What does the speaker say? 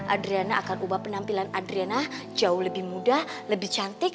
adriana akan ubah penampilan adrena jauh lebih mudah lebih cantik